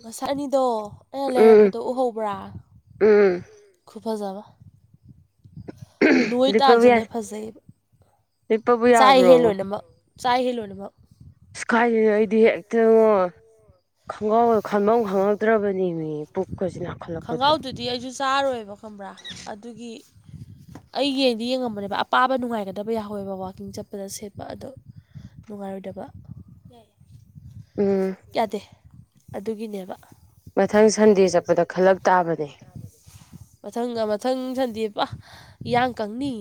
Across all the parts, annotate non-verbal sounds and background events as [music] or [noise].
ꯉꯁꯛ ꯑꯅꯤꯗꯣ ꯑꯩꯅ ꯂꯩꯔꯛꯄꯗꯣ ꯎꯍꯧꯕ꯭ꯔꯥ ꯈꯨꯐꯖꯕ ꯅꯣꯏ ꯇꯥꯁꯨꯅꯦ ꯐꯖꯩꯕ ꯆꯥꯛ ꯍꯦꯟ ꯂꯣꯏꯅꯃꯛ ꯆꯥꯏꯍ ꯂꯣ ꯑꯗꯨꯔꯤꯕ ꯑ ꯀꯥꯏꯗꯅꯣ ꯑꯩꯗꯤ ꯍꯦꯛꯇ ꯈꯣꯡꯒ꯭ꯔꯥꯎ ꯈꯟꯐꯝ ꯈꯪꯉꯛꯇ꯭ꯔꯕꯅꯤ ꯃꯤ ꯈꯣꯡꯒ꯭ꯔꯥꯎꯗꯨꯗꯤ ꯑꯩꯁꯨ ꯆꯥꯔꯣꯏꯕ ꯀꯝꯕ꯭ꯔꯥ ꯑꯗꯨꯒꯤ ꯑꯩ ꯌꯦꯡꯗꯤ ꯌꯦꯡꯉꯝꯕꯅꯦꯕ ꯑꯄꯥꯕ ꯅꯨꯡꯉꯥꯏꯒꯗꯕ ꯌꯥꯍꯧꯋꯦꯕ ꯋꯥꯛꯀꯤꯡ ꯆꯠꯄꯗ ꯁꯦꯠꯄ ꯑꯗꯣ ꯅꯨꯡꯉꯥꯏꯔꯣꯏꯗꯕ ꯌꯥꯗꯦ ꯑꯗꯨꯒꯤꯅꯦꯕ ꯃꯊꯪ ꯁꯟꯗꯦ ꯆꯠꯄꯗ ꯈꯜꯂꯛ ꯇꯥꯕꯅꯦ ꯃꯊꯪ ꯃꯊꯪ ꯁꯟꯗꯤ ꯏꯌꯥꯡ ꯀꯪꯅꯤ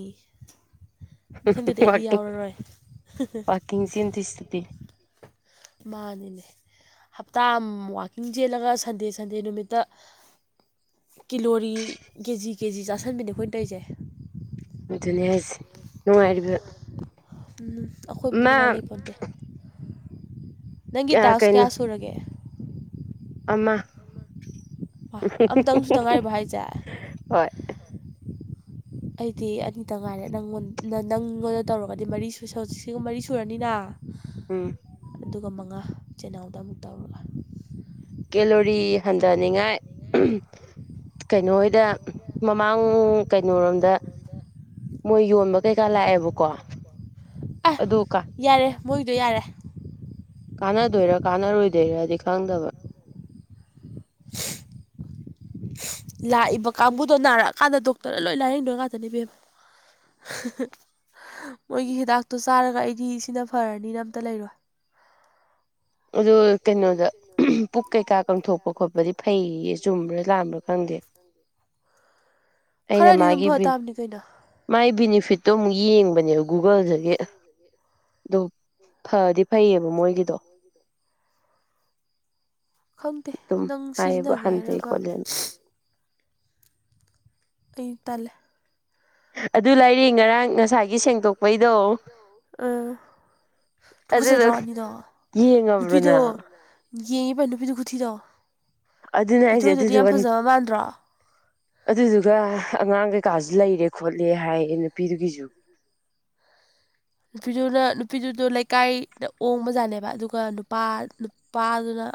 ꯋꯥꯀꯤꯁꯤꯇ ꯁꯤ ꯃꯥꯅꯤꯅꯦ ꯍꯞꯇꯥ ꯋꯥꯋꯀꯤꯡ ꯆꯦꯜꯂꯒ ꯁꯟꯗꯦ ꯁꯟꯗꯦ ꯅꯨꯃꯤꯠꯇ ꯀꯤꯂꯣꯔꯤ ꯀꯦꯖꯤ ꯀꯦꯖꯤ ꯆꯥꯁꯤꯟꯕꯅꯦ ꯑꯩꯈꯣꯏꯅ ꯇꯧꯔꯤꯁꯦ ꯑꯗꯨꯅꯦ ꯑꯩꯁꯦ ꯅꯨꯡꯉꯥꯏꯔꯤꯕ ꯑꯩꯈꯣꯏ ꯃꯨꯛꯠ ꯉꯥꯏ ꯂꯩꯄꯗꯦ ꯅꯪꯒꯤ ꯇꯥꯡꯁ ꯀꯌꯥ ꯁꯨꯔꯒꯦ ꯑꯃ ꯍꯣꯏ ꯑꯩꯗꯤ ꯑꯅꯤꯇ ꯉꯥꯏꯔꯦ ꯅꯪꯣꯟ ꯅꯪꯉꯣꯟꯗ ꯇꯧꯔꯒꯗꯤ ꯃꯔꯤ ꯍꯧꯖꯤꯛꯁꯤꯒ ꯃꯔꯤ ꯁꯨꯔꯅꯤꯅ ꯎꯝ ꯑꯗꯨꯒ ꯃꯉꯥ ꯆꯤꯅꯥꯎꯗ ꯑꯃꯨꯛ ꯇꯧꯔꯒ ꯀꯦꯂꯣꯔꯤ ꯍꯟꯊꯅꯤꯡꯉꯥꯏ ꯀꯩꯅꯣꯣꯏꯗ ꯃꯃꯥꯡ ꯀꯩꯅꯣꯣꯔꯣꯝꯗ ꯃꯣꯏ ꯌꯣꯟꯕ ꯀꯩꯀꯥ ꯂꯥꯛꯑꯦꯕꯀꯣ ꯑ ꯌꯥꯔꯦ ꯃꯣꯏꯒꯤꯗꯣ ꯌꯥꯔꯦ ꯀꯥꯟꯅꯗꯣꯏꯔ ꯀꯥꯅꯔꯣꯏꯗꯣꯏꯔꯗꯤ ꯈꯪꯗꯕ [unintelligible] ꯂꯥꯛꯏꯕ ꯀꯥꯡꯕꯨꯗꯣ ꯅꯥꯔꯛꯑꯀꯥꯟꯗ ꯗꯣꯛꯇꯔꯅ ꯂꯣꯏ ꯂꯥꯏꯌꯦꯡꯗꯣꯏ ꯉꯥꯛꯇꯅꯦꯕꯦꯝꯕ [unintelligible] ꯃꯣꯏꯒꯤ ꯍꯤꯗꯥꯛꯇꯣ ꯆꯥꯔꯒ ꯑꯩꯗꯤ ꯁꯤꯅ ꯐꯔꯅꯤꯅ ꯑꯝꯇ ꯂꯩꯔꯣꯏ ꯀꯪꯊꯣꯛꯄ ꯈꯣꯠꯄꯗꯤ ꯐꯩꯌꯦ ꯆꯨꯝꯕ꯭ꯔꯥ ꯂꯥꯝꯕ꯭ꯔꯥ ꯈꯪꯗꯦ ꯈꯔꯗꯤ ꯌꯨꯝ ꯐ ꯇꯥꯕꯅꯤ ꯀꯩꯅꯣ ꯃꯥꯏ ꯕꯤꯦꯅꯤꯐꯤꯠꯇꯣ ꯑꯃꯨꯛ ꯌꯦꯡꯕꯅꯦ ꯒꯨꯒꯜꯗꯒꯤ ꯑꯗꯨ ꯐꯗꯤ ꯐꯩꯌꯦꯕ ꯃꯣꯏꯒꯤꯗꯣ ꯈꯪꯗꯦ ꯅꯪ ꯁꯤꯖꯤꯟꯅꯒꯦ ꯍꯥꯏꯔꯒ ꯂꯩ ꯇꯂꯦ ꯑꯗꯨ ꯂꯩꯔ ꯉꯔꯥꯡ ꯉꯁꯥꯏꯒꯤ ꯁꯦꯡꯗꯣꯛꯄꯩꯗꯣ ꯑ ꯇꯨꯀꯁꯗ꯭ꯔꯛꯑꯅꯤꯗꯣ ꯅꯨꯄꯤꯗꯣ ꯌꯦꯡꯉꯤꯕ ꯅꯨꯄꯤꯗꯣ ꯀꯊꯤꯗꯣ ꯑꯗꯨꯅꯦ ꯑꯩꯁꯦ ꯑꯗꯨꯗꯨꯒ ꯑꯗꯨꯗꯨꯒ ꯑꯉꯥꯡꯒ ꯀꯥꯁꯨ ꯂꯩꯔꯦ ꯈꯣꯠꯂꯦ ꯍꯥꯏꯌꯦ ꯅꯨꯄꯤꯗꯨꯒꯤꯁꯨ ꯅꯨꯄꯤꯗꯨꯅ ꯅꯨꯄꯤꯗꯨꯗꯣ ꯂꯩꯀꯥꯏꯗ ꯑꯣꯡꯕꯖꯥꯠꯅꯦꯕ ꯑꯗꯨꯒ ꯅꯨꯄꯥ ꯅꯨꯄꯥꯗꯨꯅ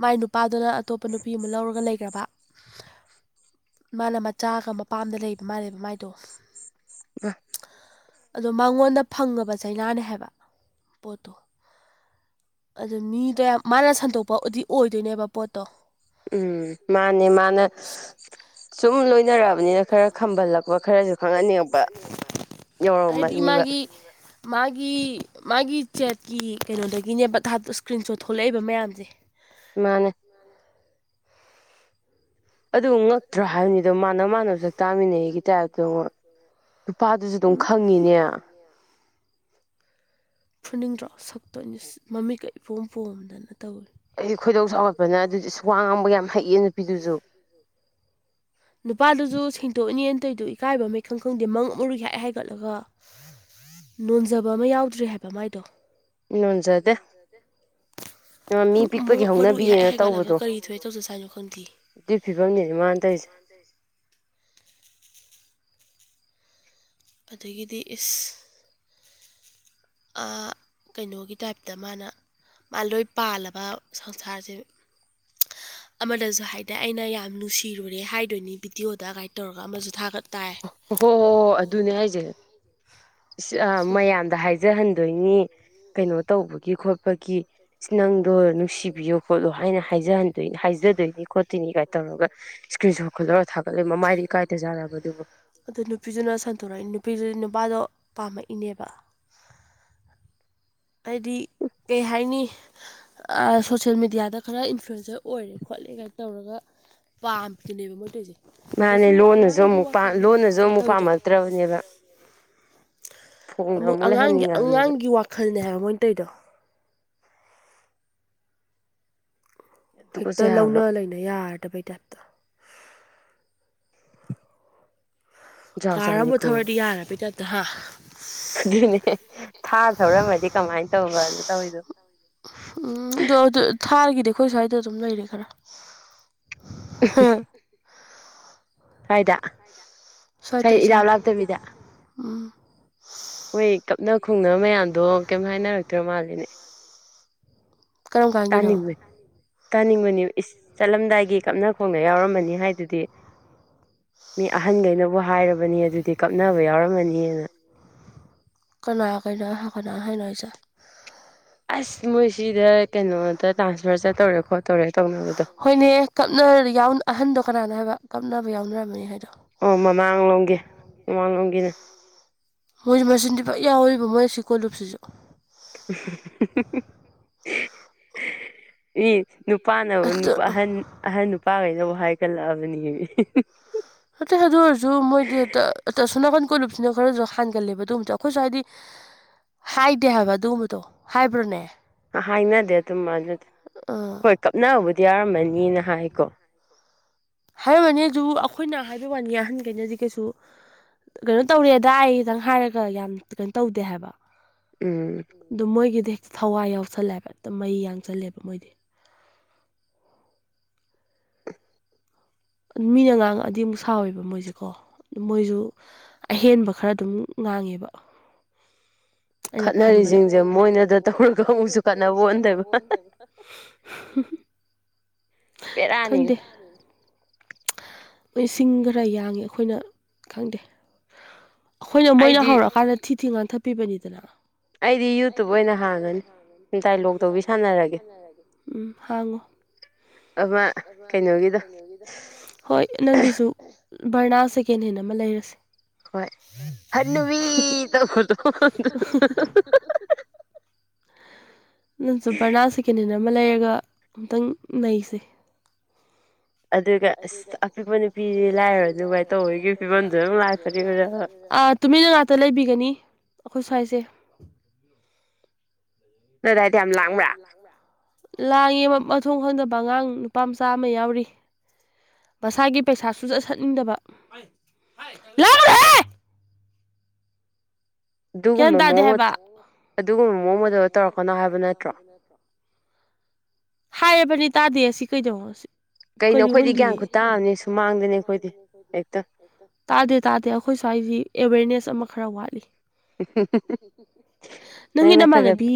ꯃꯥꯏ ꯅꯨꯄꯥꯗꯨꯅ ꯑꯇꯣꯞꯄ ꯅꯨꯄꯤ ꯑꯃ ꯂꯧꯔꯒ ꯂꯩꯈ꯭ꯔꯕ ꯃꯥꯅ ꯃꯆꯥꯒ ꯃꯄꯥꯝꯗ ꯂꯩꯕ ꯃꯥꯜꯂꯦꯕ ꯃꯥꯏꯗꯣ ꯋꯥ ꯑꯗꯣ ꯃꯉꯣꯟꯗ ꯐꯪꯉꯕ ꯆꯩꯅꯥꯅꯦ ꯍꯥꯏꯕ ꯄꯣꯠꯇꯣ ꯑꯗꯨ ꯃꯤꯗꯣ ꯌꯥꯝ ꯃꯥꯅ ꯁꯟꯗꯣꯛꯄꯗꯤ ꯑꯣꯏꯗꯣꯏꯅꯦꯕ ꯄꯣꯠꯇꯣ ꯎꯝ ꯃꯥꯅꯦ ꯃꯥꯅ ꯁꯨꯝ ꯂꯣꯏꯅꯔꯛꯑꯕꯅꯤꯅ ꯈꯔ ꯈꯝꯕꯜꯂꯛꯄ ꯍꯣꯏ ꯈꯔꯁꯨ ꯈꯪꯍꯟꯅꯤꯡꯛꯄ ꯌꯧꯔꯝꯃꯅꯤꯕ ꯃꯥꯒꯤ ꯃꯥꯒꯤ ꯆꯦꯠꯀꯤ ꯀꯩꯅꯣꯗꯒꯤꯅꯦꯕ ꯏꯁꯀ꯭ꯔꯤꯟ ꯁꯣꯠ ꯊꯣꯛꯂꯛꯏꯕ ꯃꯌꯥꯝꯁꯦ ꯃꯥꯅꯦ ꯑꯗꯨ ꯉꯛꯇ꯭ꯔꯣ ꯍꯥꯏꯕꯅꯤꯗꯣ ꯃꯥꯥꯟꯅ ꯃꯥꯥꯟꯅꯕ ꯁꯛ ꯇꯥꯃꯤꯟꯅꯩ ꯑꯩꯒꯤ ꯇꯥꯏꯞꯇꯣꯛ ꯅꯨꯄꯥꯗꯨꯁꯨ ꯑꯗꯨꯝ ꯈꯪꯉꯤꯅꯦ ꯐꯨꯅꯤꯡꯗ꯭ꯔꯣ ꯁꯛꯇꯣꯏꯅꯤ ꯃꯃꯤꯠꯀ ꯏꯄꯣꯝ ꯄꯣꯝꯗꯅ ꯑꯩꯗꯤ ꯈꯣꯏꯗꯧ ꯆꯥꯎꯒꯠꯄꯅ ꯑꯗꯨꯗꯤ ꯋꯥ ꯉꯥꯡꯕ ꯌꯥꯝ ꯍꯩꯑ ꯅꯨꯄꯤꯗꯨꯁꯨ ꯅꯨꯄꯥꯗꯨꯁꯨ ꯁꯦꯡꯇꯣꯛꯑꯅꯤꯅ ꯇꯧꯏꯗꯣ ꯏꯀꯥꯏꯕ ꯑꯃ ꯈꯪ ꯈꯪꯗꯦ ꯃꯪ ꯃꯔꯨꯒ ꯍꯥꯏ ꯍꯥꯏꯒꯠꯂꯒ ꯅꯣꯟꯖꯕ ꯑꯃ ꯌꯥꯎꯗ꯭ꯔꯔꯤ ꯍꯥꯏꯕ ꯃꯥꯏꯗꯣ ꯃꯔꯨ ꯏꯍ ꯍꯥꯏꯒꯠꯂꯒ ꯀꯔꯤ ꯊꯣꯛꯋꯦ ꯄꯨꯕꯨꯁꯨꯁ ꯁꯅ ꯈꯣꯟꯗꯤꯤ ꯑꯗꯨ ꯐꯤꯕꯝꯅꯤꯅꯦ ꯃꯥꯅ ꯇꯧꯔꯤꯁꯦ ꯑꯗꯒꯤꯗꯤ ꯏꯁ ꯀꯩꯅꯣꯒꯤ ꯇꯥꯏꯞꯇ ꯃꯥꯅ ꯃꯥꯂꯣꯏ ꯄꯥꯜꯂꯕ ꯁꯪꯁꯥꯔꯁꯦ ꯑꯃꯗꯁꯨ ꯍꯥꯏꯗꯤ ꯑꯩꯅ ꯌꯥꯝ ꯅꯨꯡꯁꯤꯔꯨꯔꯦ ꯍꯥꯏꯗꯣꯏꯅꯤ ꯚꯤꯗꯤꯑꯣꯗ ꯒꯥꯏꯠ ꯇꯧꯔꯒ ꯑꯃꯁꯨ ꯊꯥꯒꯠ ꯍꯣ ꯍꯣ ꯑꯗꯨꯅꯦ ꯍꯥꯏꯁꯦ ꯑ ꯃꯌꯥꯝꯗ ꯍꯥꯏꯖꯍꯟꯗꯣꯏꯅꯤ ꯀꯩꯅꯣ ꯇꯧꯕꯒꯤ ꯈꯣꯠꯄꯒꯤ ꯅꯪꯗꯣ ꯁꯤꯕꯤꯌꯣ ꯈꯣꯠꯂꯣ ꯍꯥꯏꯅ ꯍꯥꯏꯖꯍꯟꯗꯣꯏ ꯍꯥꯏꯖꯗꯣꯏꯅꯤ ꯈꯣꯠꯇꯣꯏꯅꯤ ꯀꯥꯏꯅ ꯇꯧꯔꯒ ꯏꯁꯀ꯭ꯔꯤꯟ ꯁꯣꯠꯣꯠꯂꯔꯒ ꯊꯥꯒꯠ ꯑꯗꯨꯗꯩ ꯃꯃꯥꯏꯗ ꯏꯀꯥꯏꯗꯖꯔꯕ ꯑꯗꯨꯕꯨ ꯑꯗꯨ ꯅꯨꯄꯤꯗꯨꯅ ꯁꯟꯇꯣꯔꯛꯏ ꯅꯨꯄꯤꯗꯨ ꯅꯨꯄꯥꯗꯣ ꯄꯥꯝꯃꯛꯏꯅꯦꯕ ꯍꯥꯏꯗꯤ ꯀꯩ ꯍꯥꯏꯅꯤ ꯁꯣꯁꯦꯜ ꯃꯦꯗꯤꯌꯥꯗ ꯈꯔ ꯏꯟꯐ꯭ꯂꯨꯌꯦꯟꯁꯔ ꯑꯣꯏꯔꯦ ꯈꯣꯠꯂꯦ ꯀꯥꯏꯅ ꯇꯧꯔꯒ ꯄꯥꯝ ꯆꯅꯦꯕ ꯃꯣꯇꯦꯖꯤꯦ ꯃꯥꯅꯦ ꯂꯣꯟꯅꯁꯨ ꯑꯃꯨ ꯂꯣꯟꯅꯁꯨ ꯑꯃꯨꯛ ꯄꯥꯝꯃꯛꯇ꯭ꯔꯕꯅꯦꯕ ꯑꯃꯨꯛ ꯑꯉꯥꯡꯒꯤ ꯑꯉꯥꯡꯒꯤ ꯋꯥꯈꯜꯅꯦ ꯍꯥꯏꯕ ꯃꯣꯏꯅ ꯇꯩꯗꯣ ꯍꯦꯛꯇ ꯂꯧꯅ ꯂꯩꯅ ꯌꯥꯔꯗꯕꯩ ꯇꯥꯏꯞꯇ ꯀꯥꯔ ꯑꯃꯕꯨ ꯊꯧꯔꯗꯤ ꯌꯥꯔꯔꯕ ꯇꯗ ꯍꯥ ꯑꯗꯨꯅꯦ ꯊꯥ ꯊꯧꯔꯝꯃꯗꯤ ꯀꯃꯥꯏꯅ ꯇꯧꯕ ꯑꯗꯨ ꯇꯧꯋꯔꯤꯗꯣ ꯎꯝ ꯑꯗꯣ ꯑꯗꯨ ꯊꯥꯒꯤꯗꯤ ꯑꯩꯈꯣꯏ ꯁ꯭ꯋꯥꯏꯗ ꯑꯗꯨꯝ ꯂꯩꯔꯦ ꯈꯔ [unintelligible] ꯁꯋꯥꯏꯗ ꯁ ꯏꯔꯥꯞ ꯂꯥꯞꯇꯕꯤꯗ ꯃꯣꯏ ꯀꯞꯅ ꯈꯨꯡꯅ ꯃꯌꯥꯝꯗꯣ ꯀꯩꯝ ꯍꯥꯏꯅꯔꯛꯇ꯭ꯔ ꯃꯥꯜꯂꯤꯅꯦ ꯀꯔꯝ ꯀꯥꯟꯒꯤꯅꯣ ꯇꯥꯅꯤꯡꯕꯅꯤ ꯏꯁ ꯆꯠꯂꯝꯗꯥꯏꯒꯤ ꯀꯞꯅ ꯈꯣꯡꯅ ꯌꯥꯎꯔꯃꯅꯤ ꯍꯥꯏꯗꯨꯗꯤ ꯃꯤ ꯑꯍꯟꯈꯩꯅꯕꯨ ꯍꯥꯏꯔꯕꯅꯤ ꯑꯗꯨꯗꯤ ꯀꯞꯅꯕ ꯌꯥꯎꯔꯝꯃꯅꯤꯅ ꯀꯅꯥ ꯀꯩꯅꯣ ꯍꯥꯏ ꯀꯅꯥ ꯍꯥꯏꯅꯣꯁꯦ ꯑꯁ ꯃꯣꯏꯁꯤꯗ ꯀꯩꯅꯣ ꯍꯣꯏꯅꯦ ꯀꯞꯅ ꯌꯥꯎ ꯑꯍꯟꯗꯣ ꯀꯅꯥꯅꯣ ꯍꯥꯏꯕ ꯈꯅꯕ ꯌꯥꯎꯅꯔꯝꯅꯤ ꯍꯥꯏꯗꯣ ꯃꯣꯏꯁꯨ ꯃꯁꯤꯡꯆꯤꯟꯗꯤ ꯄꯨ ꯌꯥꯎꯔꯤꯕ ꯃꯣꯏꯁꯤ ꯀꯣꯂꯨꯞꯁꯤꯁꯨ [inaudible] [inaudible] ꯅꯨꯄꯥꯅꯕꯨ ꯅꯨꯄꯥ ꯑꯍꯟ ꯑꯍꯟ ꯅꯨꯄꯥꯈꯩꯅꯕꯨ ꯍꯥꯏꯒꯠꯂꯛꯑꯕꯅꯤ ꯑ ꯇ ꯍꯥꯏꯗꯖꯨ ꯃꯣꯏꯗꯤ ꯁꯨꯅꯥ ꯀꯥꯟ ꯀꯣꯠꯂꯨꯞꯁꯤꯅ ꯈꯔꯁꯨ ꯍꯥꯟꯒꯜꯂꯦꯕ ꯑꯗꯨꯒꯕꯁꯨ ꯑꯩꯈꯣꯏꯁꯨ ꯍꯥꯏꯗꯤ ꯍꯥꯏꯗꯦ ꯍꯥꯏꯕ ꯑꯗꯨꯒꯨꯝꯕꯗꯣ ꯍꯥꯏꯕ꯭ꯔꯣꯅꯦ ꯍꯥꯏꯅꯗꯦ ꯑꯗꯨꯝ ꯑꯗꯨꯗꯤ ꯍꯣꯏ ꯀꯞꯅꯕꯨꯗꯤ ꯌꯥꯔꯝꯃꯅꯤꯅ ꯍꯥꯏꯀꯣ ꯍꯥꯏ ꯋꯥꯅꯤ ꯑꯗꯨ ꯑꯩꯈꯣꯏꯅ ꯍꯥꯏꯕ ꯋꯥꯅꯤ ꯑꯍꯟꯈꯩꯅꯗꯤ ꯀꯩꯁꯨ ꯀꯩꯅꯣ ꯇꯧꯔꯦꯗꯗꯥ ꯑꯩ ꯈꯤꯇꯪ ꯍꯥꯏꯔꯒ ꯌꯥꯝ ꯀꯩꯅꯣ ꯇꯧꯗꯦ ꯍꯥꯏꯕ ꯑꯗꯨ ꯃꯣꯏꯒꯤꯗ ꯊꯋꯥꯏ ꯌꯥꯎꯁꯜꯂꯦꯕ ꯑꯗꯨꯇ ꯃꯩ ꯌꯥꯡꯁꯜꯂꯦꯕ ꯃꯣꯏꯗꯤ ꯃꯤꯅ ꯉꯥꯡꯉꯑꯗꯤ ꯑꯃꯨꯛ ꯁꯥꯎꯋꯦꯕ ꯃꯣꯏꯁꯦ ꯀꯣ ꯑꯗꯨ ꯃꯣꯏꯁꯨ ꯑꯍꯦꯟꯕ ꯈꯔ ꯑꯗꯨꯝ ꯇꯥꯡꯉꯦꯕ ꯑꯩꯅ ꯈꯟꯕꯗ ꯃꯔꯤꯁꯤꯡꯁꯦ ꯃꯣꯏꯅꯗ ꯇ ꯇꯁꯤ ꯀꯠꯅꯕ ꯍꯟꯗꯕ [unintelligible] ꯕꯤꯔꯅꯤ ꯂꯣꯏ ꯁꯤꯡ ꯈꯔ ꯌꯥꯡꯉꯦ ꯑꯩꯈꯣꯏꯅ ꯈꯪꯗꯦ ꯑꯩꯈꯣꯏꯅ ꯃꯣꯏꯅ ꯍꯧꯔꯛꯑꯀꯥꯟꯗ ꯊꯤ ꯊꯤ ꯉꯥꯟ ꯊꯠꯄꯤꯕꯅꯤꯗꯅ ꯑꯩꯗꯤ ꯌꯨꯇꯨꯕ ꯑꯣꯏꯅ ꯍꯥꯡꯉꯅꯤ ꯗꯥꯣꯛꯧꯕ ꯁꯥꯟꯅꯔꯒꯦ ꯎꯝ ꯍꯥꯡꯉꯣ ꯍꯣꯏ ꯅꯪꯒꯤꯁꯨ ꯚꯔꯅꯥ ꯁꯦꯀꯦꯟ ꯍꯦꯟ ꯑꯃ ꯂꯩꯔꯁꯦ ꯍꯣꯏ ꯍꯕꯤꯗ ꯅ ꯁꯄꯅꯥꯁꯤꯀꯤꯦꯅꯤꯅ [unintelligible] ꯑꯗꯨꯒ ꯑꯁ ꯑꯄꯤꯛꯄ ꯅꯨꯄꯤꯗꯤ ꯂꯥꯏꯔ ꯒꯥꯏꯅ ꯇꯧꯕꯒꯤ ꯐꯤꯕꯝꯗꯨ ꯑꯗꯨꯝ ꯂꯥꯛꯇꯔꯤꯕ ꯇꯨꯃꯤꯟꯅꯟꯅꯉꯥꯛꯇ ꯂꯩꯕꯤꯒꯅꯤ ꯑꯩꯈꯣꯏ ꯁ꯭ꯋꯥꯏꯁꯦ ꯅꯗꯥꯏꯗꯤ ꯌꯥꯝ ꯂꯥꯡꯕ꯭ꯔꯥ ꯂꯥꯡꯉꯦ ꯃꯊꯣꯡ ꯈꯪꯗꯕ ꯑꯉꯥꯡ ꯅꯨꯄꯥ ꯃꯆꯥ ꯑꯃ ꯌꯥꯎꯔꯤ ꯕꯁꯥꯏꯒꯤ ꯄꯩꯁꯥ ꯁꯨꯆꯠ ꯁꯠꯅꯤꯡꯗꯕ ꯑꯗꯨꯃ ꯃꯣꯠ ꯑꯗꯨꯒꯨꯝꯕ ꯃꯑꯣꯡ ꯃꯗꯗ ꯇꯧꯔꯛꯀꯅꯣ ꯍꯥꯏꯕ ꯅꯠꯇ꯭ꯔꯣ ꯍꯥꯏꯔꯕꯅꯤ ꯇꯥꯗꯦ ꯁꯤ ꯀꯩꯗꯧꯣ ꯀꯩꯅꯣ ꯌꯧ ꯍꯟꯕꯤꯌꯦ ꯇꯥꯗꯦ ꯇꯥꯗꯦ ꯑꯩꯈꯣꯏ ꯁ꯭ꯋꯥꯏꯁꯤ ꯑꯦꯋꯦꯔꯅꯦꯁ ꯆꯝꯃ ꯈꯔ ꯋꯥꯠꯂꯤ ꯅꯪꯒꯤ ꯅꯃꯥꯟꯅꯕꯤ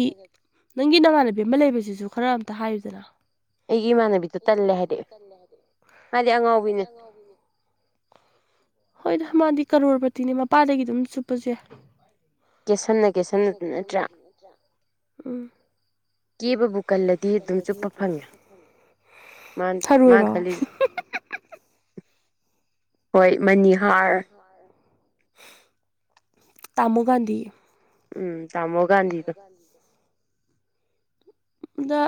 ꯅꯪꯒꯤ ꯅꯃꯥꯟꯅꯕꯤ ꯑꯃ ꯂꯩꯕꯁꯤꯁꯨ ꯈꯔ ꯑꯝꯇ ꯍꯥꯏꯌꯨꯗꯅ ꯑꯩꯒꯤ ꯏꯃꯥꯟꯅꯕꯤꯗꯣ ꯇꯜꯂꯦ ꯍꯥꯏꯗꯤ ꯃꯥꯗꯤ ꯑꯉꯥꯎꯕꯤꯅꯦ ꯍꯣꯏꯗ ꯃꯥꯗꯤ ꯀꯔꯣꯔꯄꯇꯤꯅꯦ ꯃꯄꯥꯗꯒꯤ ꯑꯗꯨꯝ ꯆꯨꯞꯄꯁ ꯌꯥꯏ ꯀꯁꯟꯅ ꯀꯁꯠꯇ꯭ꯔ ꯎꯝ ꯀꯦꯕꯕꯨ ꯀꯜꯂꯗꯤ ꯑꯗꯨꯝ ꯆꯨꯞꯄ ꯐꯪꯉꯦ ꯃꯥ ꯃꯥ ꯈꯜꯂꯤ [inaudible] ꯍꯣꯏ ꯃꯅꯤꯍꯥꯔ ꯇꯥꯃꯨꯒꯥꯟꯗꯤꯤ ꯎꯝ ꯆꯃꯨ ꯃꯒꯥꯟ ꯗ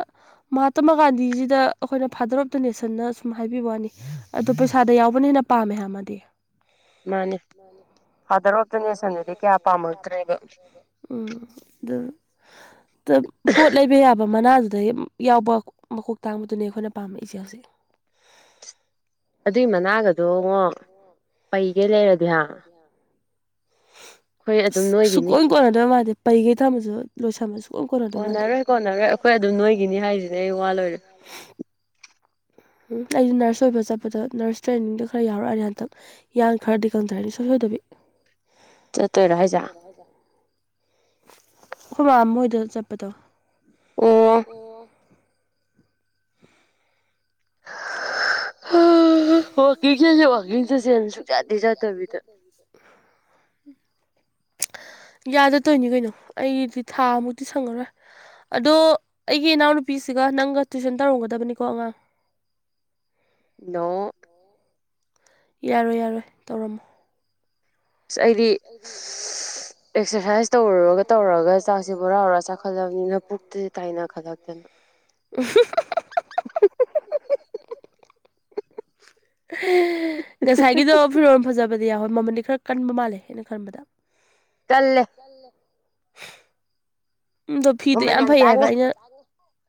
ꯃꯍꯥꯇꯃꯥ ꯒꯥꯟꯙꯤꯖꯤꯗ ꯑꯩꯈꯣꯏꯅ ꯐꯥꯗꯔ ꯑꯣꯐ ꯗ ꯅꯦꯁꯟꯅ ꯁꯨꯝ ꯍꯥꯏꯕꯤꯕ ꯋꯥꯅꯤ ꯑ ꯄꯩꯁꯥꯗ ꯌꯥꯎꯕꯅꯤꯅ ꯄꯥꯝꯃꯦ ꯍꯥꯏꯃꯗꯤ ꯃꯥꯅꯦ ꯐꯗ꯭ꯔ ꯎꯝ ꯇ ꯄꯣꯠ ꯂꯩꯕ ꯌꯥꯕ ꯃꯅꯥꯗꯨꯗ ꯌꯥꯎꯕ ꯃꯀꯣꯛ ꯇꯥꯡꯕꯗꯨꯅꯦ ꯑꯩꯈꯣꯏꯅ ꯄꯥꯝꯃꯛꯏꯆꯦ ꯍꯧꯖꯤꯛ ꯑꯗꯨꯏ ꯃꯅꯥꯒꯗꯣꯉꯣ ꯄꯩꯒꯦ ꯂꯩꯔꯗꯤꯍ [unintelligible] ꯁꯨꯀꯣꯏꯝ ꯀꯣꯟꯅꯗꯣꯏ ꯃꯥꯟꯗꯦ ꯄꯔꯤꯈꯩ ꯊꯝꯝꯕꯁꯨ ꯂꯣꯏꯁꯟꯃ ꯁꯨꯀꯝ ꯀꯣꯟꯅꯗꯣꯏ ꯃꯥꯟꯗꯦ ꯑꯗꯨꯝ ꯅꯣꯏꯒꯤꯅꯤ ꯍꯥꯏꯁꯤꯅꯦ ꯑꯩ ꯋꯥꯂꯣꯏꯔꯦ [unintelligible] ꯎꯝ ꯑꯩꯗꯤ ꯅꯔꯁ ꯑꯣꯏꯕ ꯆꯠꯄꯗ ꯅꯔꯁ ꯇ꯭ꯔꯦꯅꯤꯡꯗꯣ ꯈꯔ ꯌꯥꯎꯔꯛꯑꯅꯤ ꯍꯟꯇꯛ ꯌꯥꯡ ꯈꯔꯗꯤ ꯈꯪꯗ꯭ꯔꯅꯤ ꯁꯣꯏ ꯁꯣꯏꯗꯅ ꯠꯇ ꯔꯖ ꯑꯩꯈꯣꯏꯕꯥ ꯃꯣꯏꯗ ꯆꯠꯄꯗꯣ ꯑꯣ [unintelligible] ꯋꯥꯥꯛꯀꯤꯡ ꯆꯠꯁꯦ ꯋꯥꯋꯥꯛꯀꯤꯡ ꯆꯠꯁꯦꯅ ꯁꯨꯡꯛ ꯌꯥꯥꯗꯦ ꯌꯥꯗꯕꯤꯗ ꯌꯥꯗꯠꯇꯣꯏꯅꯤ ꯀꯩꯅꯣ ꯑꯩꯗꯤ ꯊꯥ ꯃꯨꯛꯇꯤ ꯁꯪꯉꯔꯣꯏ ꯑꯗꯣ ꯑꯩꯒꯤ ꯏꯅꯥꯎꯅꯨꯄꯤꯁꯤꯒ ꯅꯪꯒ ꯇꯨꯋꯁꯟ ꯇꯧꯔꯝꯒꯗꯕꯅꯤꯀꯣ ꯑꯉꯥꯡ [unintelligible] ꯅ ꯌꯥꯔꯣꯏ ꯌꯥꯔꯣꯏ ꯇꯧꯔꯝꯃꯣ ꯑꯩꯗꯤ ꯑꯦꯛꯁꯔꯁꯥꯏꯁ ꯇꯧꯔꯨꯔꯒ ꯇꯧꯔꯒ ꯆꯥꯛꯁꯤꯦ ꯕꯣꯔꯥ ꯍꯔ ꯆꯥꯛꯈꯠꯂꯕꯅꯤꯅ ꯄꯨꯛꯇꯗꯤ ꯇꯥꯏꯅꯈꯠꯂꯛꯇꯅ ꯎ [unintelligible] ꯉꯁꯥꯏꯒꯤꯗꯣ ꯐꯤꯔꯣꯟꯝ ꯐꯖꯕ ꯗꯤ ꯌꯥꯎꯣꯏ ꯃꯃꯜꯗꯤ ꯈꯔ ꯀꯟꯕ ꯃꯥꯜꯂꯦ ꯍꯥꯏꯅ ꯈꯟꯕꯗ ꯀꯂ ꯎꯗꯣ ꯐꯤꯗꯣ ꯌꯥꯝ ꯐꯩ ꯍꯥꯏꯕ ꯑꯩꯅ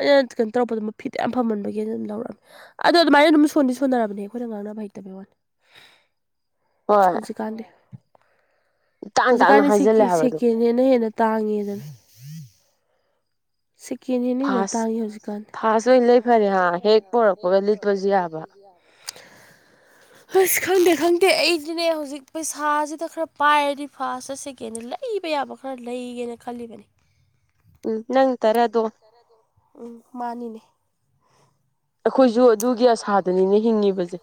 ꯑꯩꯅ ꯀꯩꯅꯣ ꯇꯧꯔꯛꯗ ꯃ ꯐꯤꯗ ꯌꯥꯝ ꯐꯃꯍꯟꯕꯒꯤꯅ ꯑꯗꯨꯝ ꯂꯧꯔꯛꯝꯃꯦ ꯑꯗꯣ ꯑꯗꯨꯃꯥꯏꯅ ꯑꯗꯨꯝ ꯁꯣꯟꯗꯤ ꯁꯣꯟꯅꯔꯕꯅꯦ ꯑꯩꯈꯣꯏꯅ ꯉꯥꯡꯅꯕ ꯍꯩ ꯗꯕ ꯋꯥꯟ ꯍꯧꯖꯤꯛꯀꯥꯟꯗꯤ ꯍꯧꯖꯤꯛꯀꯥꯟꯗꯤ ꯁꯦꯀꯦꯟ ꯍꯦꯟꯅ ꯍꯦꯟꯅ ꯇꯥꯡꯉꯦꯗꯅ ꯁꯦꯀꯦꯟ ꯍꯦ ꯍꯦꯟꯅ ꯇꯥꯡꯉꯦ ꯍꯧꯖꯤꯛꯀꯥꯟꯗꯤ ꯑ ꯁꯤ ꯂꯩ ꯂꯤ ꯑꯁ ꯈꯪꯗꯦ ꯈꯪꯗꯦ ꯑꯩꯗꯤꯅꯦ ꯍꯧꯖꯤꯛ ꯄꯩꯁꯥꯁꯤꯗ ꯈꯔ ꯄꯥꯏꯔꯗꯤ ꯐꯥꯔꯁꯇ ꯁꯦꯀꯦꯟꯗ ꯂꯏꯕꯩ ꯌꯥꯕ ꯈꯔ ꯂꯩꯒꯦꯅ ꯈꯜꯂꯤꯕꯅꯤ ꯎꯝ ꯅꯪ ꯎꯝ ꯃꯥꯅꯤꯅꯦ ꯑꯩꯈꯣꯏꯁꯨ ꯑꯗꯨꯒꯤ ꯑꯁꯥꯗꯅꯤꯅ ꯍꯤꯡꯉꯤꯕꯁꯦ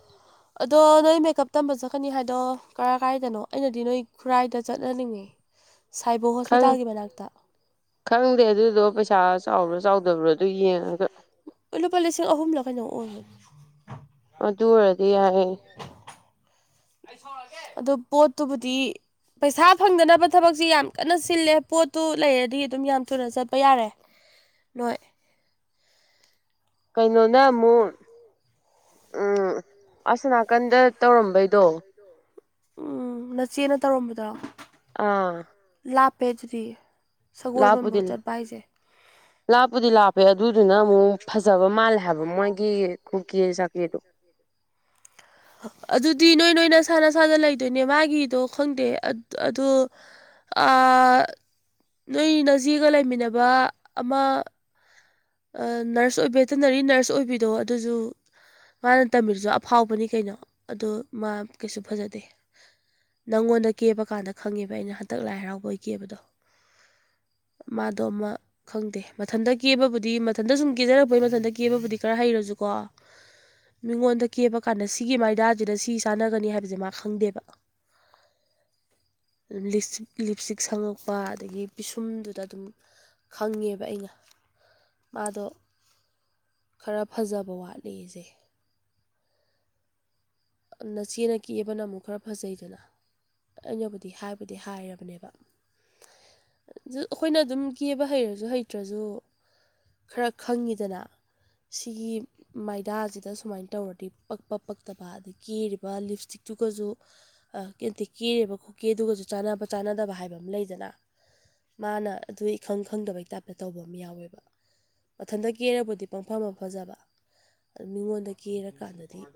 ꯑꯗꯣ ꯅꯣꯏ ꯃꯦꯀꯞ ꯇꯝꯕ ꯆꯠꯀꯅꯤ ꯍꯥꯏꯗꯣ ꯀꯔꯥꯏ ꯀꯥꯏꯗꯅꯣ ꯑꯩꯅꯗꯤ ꯅꯣꯏ ꯈꯨꯔꯥꯏꯗ ꯆꯠꯍꯅꯤꯡꯉꯤ ꯈꯪꯗꯦ ꯑꯗꯨꯗꯣ ꯄꯩꯁꯥ ꯆꯥꯎꯕ꯭ꯔꯣ ꯆꯥꯎꯗꯕ꯭ꯔꯣ ꯑꯗꯨꯨꯏ ꯌꯦ ꯂꯨꯄꯥ ꯂꯤꯁꯤꯡ ꯑꯍꯨꯝꯂ ꯀꯩꯅꯣ ꯑꯣꯏ ꯑꯗꯨ ꯑꯗꯨ ꯑꯣꯏꯗꯤ ꯌꯥꯏ ꯄꯠꯇꯨꯕꯨꯗꯤ ꯄꯩꯁꯥ ꯐꯪꯗꯅꯕ ꯊꯕꯛꯁꯤ ꯌꯥꯝ ꯀꯟꯅ ꯁꯤꯜꯂꯦ ꯄꯣꯠꯇꯨ ꯂꯩꯔꯗꯤ ꯑꯗꯨꯝ ꯌꯥꯝ ꯊꯨꯅ ꯆꯠꯄ ꯌꯥꯔꯦ ꯅ ꯀꯩꯅꯣꯅꯦ ꯑꯃꯨꯛ ꯎꯝ ꯑꯁꯅꯥꯀꯟꯗ ꯇꯧꯔꯝꯕꯩꯗꯣ ꯎꯝ ꯅꯆꯦꯅ ꯇꯧꯔꯝꯕꯗꯣ ꯑꯥ ꯂꯥꯄꯦꯖꯔꯤ ꯂꯥꯞꯄꯨꯗꯤ ꯂꯥꯞꯄꯨꯗꯤ ꯂꯥꯞꯄꯦ ꯑꯗꯨꯗꯨꯅ ꯑꯃꯨꯛ ꯐꯖꯕ ꯃꯥꯜꯂꯦ ꯍꯥꯏꯕ ꯃꯣꯏꯒꯤ ꯀꯀꯤ ꯆꯀꯦꯗꯨꯣ ꯑꯗꯨꯗꯤ ꯅꯣꯏ ꯅꯣꯏꯅꯁꯥꯟꯅꯁꯗ ꯂꯩꯗꯣꯏꯅꯦ ꯃꯥꯒꯤꯗꯣ ꯈꯪꯗꯦ ꯑꯗꯣ ꯅꯣꯏ ꯅꯖꯤꯒ ꯂꯩꯃꯤꯟꯅꯕ ꯑꯃ ꯅꯔꯁ ꯑꯣꯏ ꯕꯦꯇꯅꯔꯤ ꯅꯔꯁ ꯑꯣꯏꯕꯤꯗꯣ ꯑꯗꯨꯁꯨ ꯃꯥꯅ ꯇꯝꯃꯤꯔꯁꯨ ꯑꯐꯥꯎꯕꯅꯤ ꯀꯩꯅꯣ ꯑꯗꯨꯗ ꯃꯥ ꯀꯩꯁꯨ ꯐꯖꯗꯦ ꯅꯪꯉꯣꯟꯗ ꯀꯦꯕ ꯀꯥꯟꯗ ꯈꯪꯉꯦꯕ ꯑꯩꯅ ꯍꯟꯇꯛ ꯂꯥꯏ ꯍꯔꯥꯎꯕꯒꯤ ꯀꯦꯕꯗꯣ ꯃꯥꯗꯣ ꯑꯃ ꯈꯪꯗꯦ ꯃꯊꯟꯇ ꯀꯦꯕꯕꯨꯗꯤ ꯗꯤ ꯃꯊꯟꯇ ꯁꯨꯝ ꯀꯦꯖꯔꯛꯄꯒꯤ ꯃꯊꯟꯇ ꯀꯦꯕꯕꯨꯗꯤ ꯈꯔ ꯍꯩꯔꯁꯨꯀꯣ ꯃꯤꯉꯣꯟꯗ ꯀꯦꯕ ꯀꯥꯟꯗ ꯁꯤꯒꯤ ꯃꯥꯏꯗꯥꯁꯤꯗ ꯁꯤ ꯆꯥꯟꯅꯒꯅꯤ ꯍꯥꯏꯕꯁꯦ ꯃꯥ ꯈꯪꯗꯦꯕ [unintelligible] ꯂꯤꯞ ꯏꯁꯇꯤꯛ ꯁꯪꯉꯛꯄ ꯑꯗꯒꯤ ꯄꯤꯁꯨꯝꯗꯨꯗ ꯑꯗꯨꯝ ꯈꯪꯉꯦꯕ ꯑꯩꯅ ꯃꯥꯗꯣ ꯈꯔ ꯐꯖꯕ ꯋꯥꯠꯂꯤꯁꯦ ꯅꯆꯦꯅ ꯀꯦꯑꯕꯅ ꯑꯃꯨꯛ ꯈꯔ ꯐꯖꯩꯗꯅ ꯑꯩꯅꯕꯨꯗꯤ ꯍꯥꯏꯕꯨꯗꯤ ꯍꯥꯏꯔꯕꯅꯦꯕ ꯑꯩꯈꯣꯏꯅ ꯑꯗꯨꯝ ꯀꯦꯕ ꯍꯩꯔꯁꯨ ꯍꯩꯇ꯭ꯔꯁꯨ ꯈꯔ ꯈꯪꯉꯤꯗꯅ ꯁꯤꯒꯤ ꯃꯥꯏꯗꯥꯁꯤꯗ ꯁꯨꯃꯥꯏꯅ ꯇꯧꯔꯗꯤ ꯄꯛꯄ ꯄꯛꯇꯕ ꯑꯗꯒꯤ ꯀꯦꯔꯤꯕ ꯂꯤꯞꯁꯇꯤꯛꯇꯨꯒꯁꯨ ꯀꯩꯇ ꯀꯦꯔꯦꯔꯤꯕ ꯈꯨꯀꯦꯗꯨꯒꯁꯨ ꯆꯥꯟꯅꯕ ꯆꯥꯟꯅꯗꯕ ꯍꯥꯏꯕ ꯂꯩꯗꯅ ꯃꯥꯅ ꯑꯗꯨ ꯏꯈꯪ ꯈꯪꯗꯕꯩ ꯇꯥꯏꯞꯇ ꯇꯧꯕ ꯑꯃ ꯌꯥꯎꯋꯦꯕ ꯃꯊꯟꯇ ꯀꯦꯕꯨꯗꯤ ꯄꯪꯐꯝ ꯑꯃ ꯐꯖꯕ ꯑꯗꯨ ꯃꯤꯉꯣꯟꯗ ꯀꯦꯔ ꯀꯥꯟꯗꯗꯤ